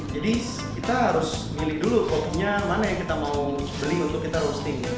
jadi kita harus milih dulu kopinya mana yang kita mau beli untuk kita roasting